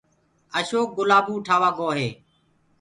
اشوڪ گلآبو اُٺآوآ گوو هي